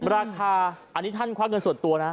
ราคาอันนี้ท่านควักเงินส่วนตัวนะ